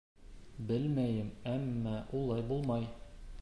Белмәйем, әммә улай булмай!